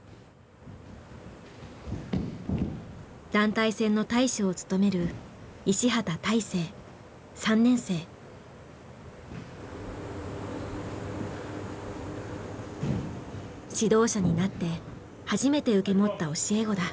団体戦の大将を務める指導者になって初めて受け持った教え子だ。